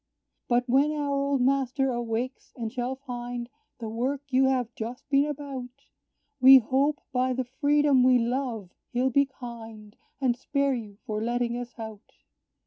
"But when our old master awakes, and shall find The work you have just been about, We hope, by the freedom we love, he'll be kind, And spare you for letting us out.